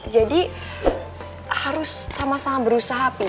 jadi harus sama sama berusaha pi